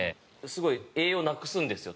すごい栄養をなくすんですよ